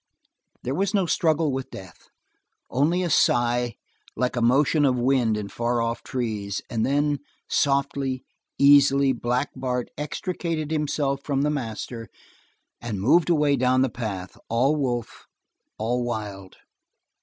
There was no struggle with death, only a sigh like a motion of wind in far off trees, and then, softly, easily Black Bart extricated himself from the master, and moved away down the path, all wolf, all wild.